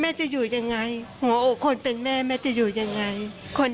จะอยู่ยังไงหัวอกคนเป็นแม่แม่จะอยู่ยังไง